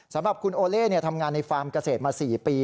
สำหรับคุณโอเล่ทำงานในฟาร์มเกษตรมา๔ปี